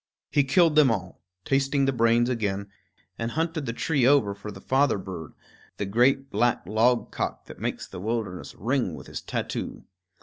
He killed them all, tasting the brains again, and hunted the tree over for the father bird, the great black logcock that makes the wilderness ring with his tattoo.